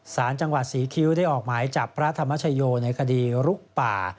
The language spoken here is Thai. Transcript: สารจังหวัดศรีคิ้วได้ออกหมายจับพระธรรมชโยในคดีลุกป่า